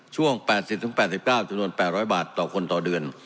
ช่วง๘๐๘๙จำนวน๘๐๐บาทต่อคนต่อเดือน